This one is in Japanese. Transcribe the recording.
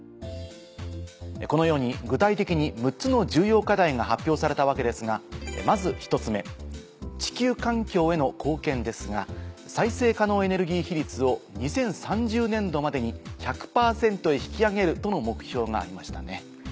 このように具体的に６つの重要課題が発表されたわけですがまず１つ目「地球環境への貢献」ですが再生可能エネルギー比率を２０３０年度までに１００％へ引き上げるとの目標がありましたね。